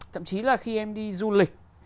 thậm chí là khi em đi du lịch